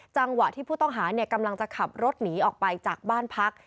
จังหวะที่ผู้ต้องหากำลังจะขับรถหนีออกไปจากบ้านพัก